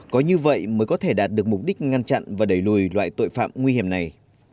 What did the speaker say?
có như vậy mới có thể đạt được mục đích ngăn chặn và đẩy lùi loại tội phạm nguy hiểm này